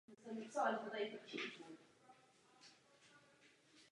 Mezitím posádka pokračovala v plnění mnoha zadaných úkolů.